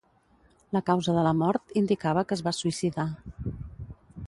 La causa de la mort indicava que es va suïcidar.